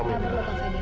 kamu lupa fadil